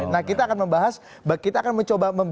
nah kita akan membahas kita akan mencoba